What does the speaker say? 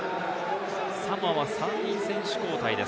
サモアは３人選手交代です。